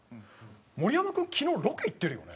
盛山君昨日ロケ行ってるよね？